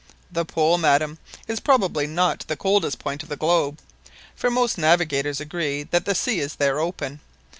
"The Pole, madam, is probably not the coldest point of the globe, for most navigators agree that the sea is there open.